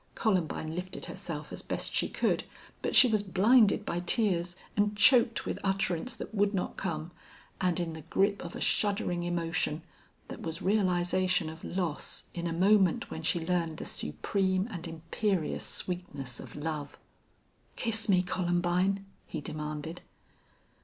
Columbine lifted herself as best she could. But she was blinded by tears and choked with utterance that would not come, and in the grip of a shuddering emotion that was realization of loss in a moment when she learned the supreme and imperious sweetness of love. "Kiss me, Columbine," he demanded.